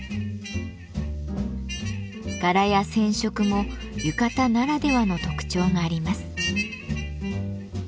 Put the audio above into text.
柄や染色も浴衣ならではの特徴があります。